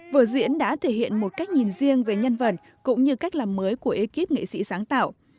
vở diễn đã thể hiện một cách nhìn riêng về nhân vật cũng như cách làm mới của ekip nghệ sĩ sáng tạo